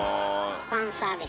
ファンサービス。